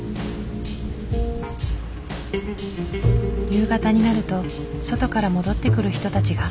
夕方になると外から戻ってくる人たちが。